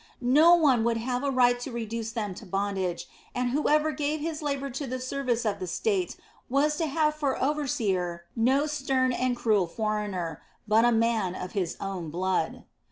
No one would have a right to reduce them to bondage, and whoever gave his labor to the service of the state was to have for overseer no stern and cruel foreigner, but a man of his own blood.